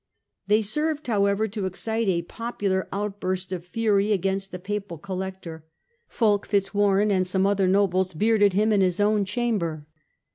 They served, however, to excite a popular outburst of fury against the Papal collector. Fulk Fitzwarenne and some other nobles bearded him in his own chamber.